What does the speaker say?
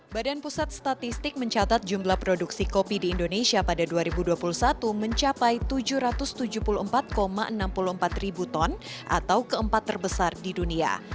badan pusat statistik mencatat jumlah produksi kopi di indonesia pada dua ribu dua puluh satu mencapai tujuh ratus tujuh puluh empat enam puluh empat ribu ton atau keempat terbesar di dunia